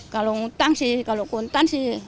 kalau ngutang sih kalau kuntan sih